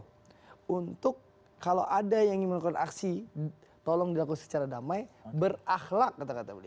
untuk kalau ada yang ingin melakukan aksi tolong dilakukan secara damai berakhlak kata kata beliau